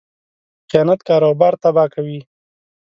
خیانت کاروبار تباه کوي.